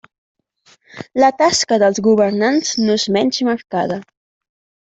La tasca dels governants no és menys marcada.